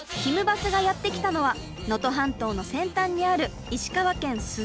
バスがやって来たのは能登半島の先端にある石川県珠洲市。